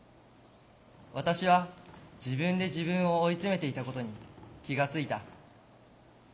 私は自分で自分を追い詰めていたことに気が付いた。